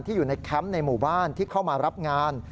อยู่ในแคมป์ในหมู่บ้านที่เข้ามารับงาน